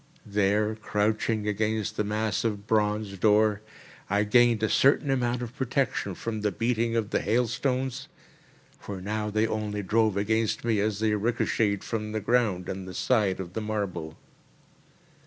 There, crouching against the massive bronze door, I gained a certain amount of protection from the beating of the hailstones, for now they only drove against me as they ricocheted from the ground and the side of the marble.